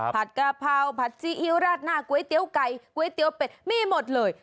กะเพราผัดซีอิ๊วราดหน้าก๋วยเตี๋ยวไก่ก๋วยเตี๋ยวเป็ดมีหมดเลย